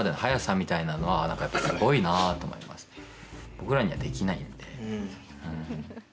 僕らには、できないんで。